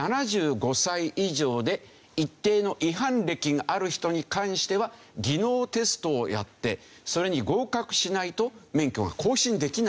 ７５歳以上で一定の違反歴がある人に関しては技能テストをやってそれに合格しないと免許が更新できないと。